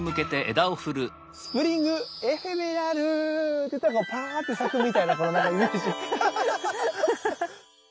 「スプリング・エフェメラル」って言ったらもうパァって咲くみたいなこのイメージ。